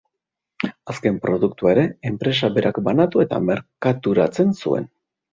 Azken produktua ere enpresak berak banatu eta merkaturatzen zuen.